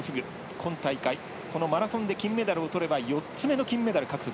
今大会、マラソンで金メダルをとれば４つ目の金メダル獲得。